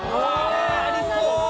ありそう！